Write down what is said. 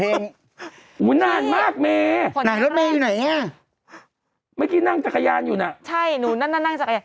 เอามาสิอะดูโถ่